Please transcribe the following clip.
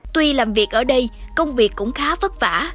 tuy làm việc ở đây công việc cũng khá vất vả